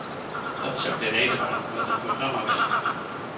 Dat is ook de reden waarom we dat programma willen.